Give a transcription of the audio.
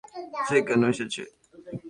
সে কেন এসেছে?